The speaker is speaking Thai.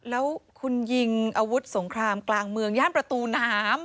แล้วคุณยิงอาวุธสงครามกลางเมืองย่านประตูน้ำ